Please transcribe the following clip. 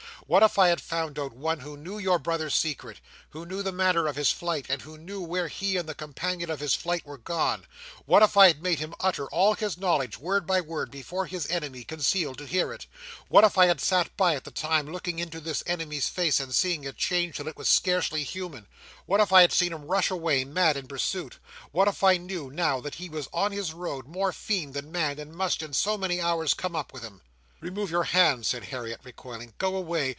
"What if I had found out one who knew your brother's secret; who knew the manner of his flight, who knew where he and the companion of his flight were gone? What if I had made him utter all his knowledge, word by word, before his enemy, concealed to hear it? What if I had sat by at the time, looking into this enemy's face, and seeing it change till it was scarcely human? What if I had seen him rush away, mad, in pursuit? What if I knew, now, that he was on his road, more fiend than man, and must, in so many hours, come up with him?" "Remove your hand!" said Harriet, recoiling. "Go away!